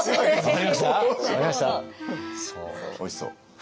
おいしそう。